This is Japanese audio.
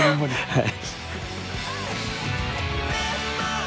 はい。